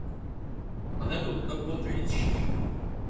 Anadolu'da bolca yetişir.